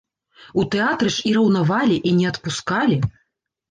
У тэатры ж і раўнавалі, і не адпускалі!